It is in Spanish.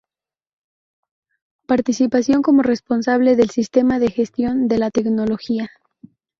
Participación como responsable del Sistema de Gestión de la Tecnología.